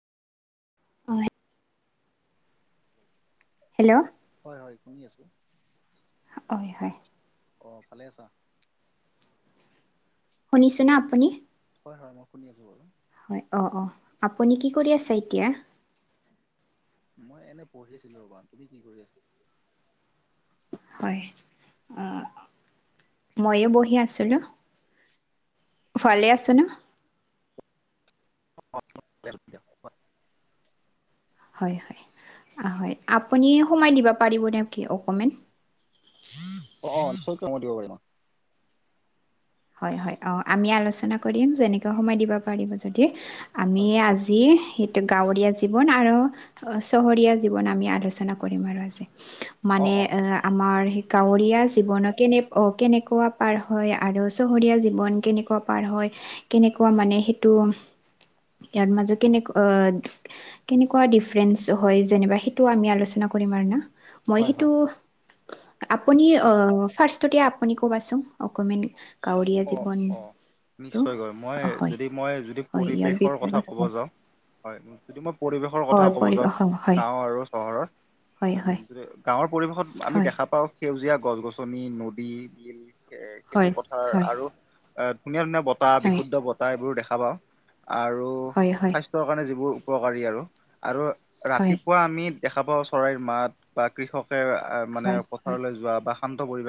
হয়। [inaudible] হেল্ল'। হয় হয় শুনি আছোঁ। হয় হয়। অ ভালে আছা? শুনিছোঁ না আপুনি? হয় হয় মই শুনি আছোঁ বাৰু। হয় অ অ আপুনি কি কৰি আছে এতিয়া। মই এনে পঢ়ি আছিলো ৰবা, তুমি কি কৰি আছা? হয়, অ, ময়ো বহি আছিলো। ভালে আছ না? অ ভালে আছো দিয়া। হয় হয়, হয় আপুনি সোমাই দিব পাৰিব নে কি অকমেণ্ট? অ অ নিশ্চয় কাম দিব পাৰিব। হয় হয় অ আমি আলোচনা কৰিম যেনেকে সময় দিব পাৰিব যদি- আমি হয় আজি- গাঁৱৰীয়া জীৱন আৰু চহৰীয়া জীৱন আমি আলোচনা কৰিম আৰু আজি। অ মানে অ আমাৰ গাঁৱৰীয়া জীৱনৰ কেনে কেনেকুৱা পাৰ হয় আৰু। চহৰীয়া জীৱন কেনেকুৱা পাৰ হয় কেনেকুৱা মানে সেইটো- ইয়াৰ মাজতে যে কেনেক কেনেকুৱা ডিফাৰেন্স হয় যেনিবা সেইটো আমি আলোচনা কৰিম আৰু না। মই হয় সেইটো, হয় আপুনি অ ফাৰ আপুনি কবোন অক- গাঁৱলীয়া অ জীৱন। অ নিশ্চয়কৈ মই অ হয় যদি মই যদি হয় ইয়াৰ পৰিৱেশৰ কথা বিষয়ত ক'ব হয় যাওঁ হয়। যদি মই পৰিবেশৰ হয় কথা ক'ব পৰি যাওঁ, হয় গাঁও আৰু চহৰৰ। হয় গাঁৱৰ পৰিৱেশত আমি হয় হয় দেখা পাওঁ। সেউজীয়া গছ-গছনি, নদী, বিল, এ' হয় খেতি পথাৰ- হয় আৰু এ' ধুনীয়া-ধুনীয়া বতাহ, হয় বিশুদ্ধ বতাহ এইবোৰ দেখা পাওঁ, আৰু- হয়-হয়। স্বাস্থ্যৰ কাৰণে যিবোৰ উপকাৰী আৰু, আৰু হয় ৰাতিপুৱা আমি- দেখা পাওঁ চৰাইৰ মাত বা কৃষকে মানে হয় হয় পথাৰলৈ যোৱা বা শান্ত পৰিৱেশ।